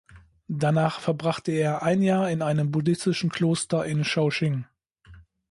Danach verbrachte er ein Jahr in einem buddhistischen Kloster in Shaoxing.